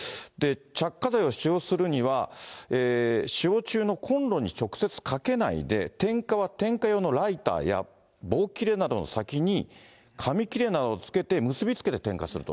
着火剤を使用するには、使用中のコンロに直接かけないで、点火は点火用のライターや棒切れなどの先に、紙切れなどをつけて、結び付けて点火すると。